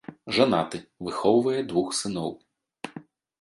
Жанаты, выхоўвае двух сыноў.